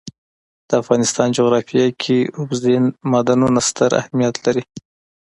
د افغانستان جغرافیه کې اوبزین معدنونه ستر اهمیت لري.